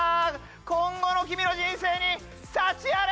今後の君の人生に幸あれ！